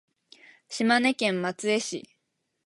島根県松江市